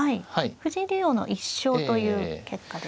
藤井竜王の１勝という結果ですね。